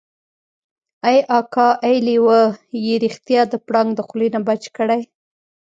ای اکا ای لېوه يې رښتيا د پړانګ د خولې نه بچ کړی.